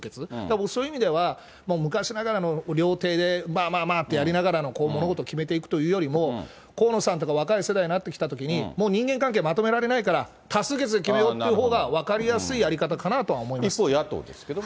僕はそういう意味では昔ながらの料亭で、まあまあまあってやりながら、物事決めていくというよりも、河野さんとか若い世代になってきたときにもう人間関係まとめられないから、多数決で決めようっていうほうが分かりやすいやり方か一方、野党ですけども。